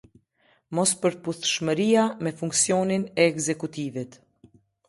Mospërputhshmëria me funksionin e ekzekutivit.